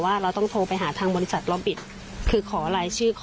ยายลำดวนอาการดีขึ้นแล้ว